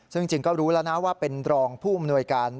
ซึ่งจริงก็รู้แล้วนะว่าเป็นรองผู้อำนวยการ